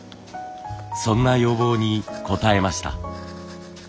そんな要望に応えました。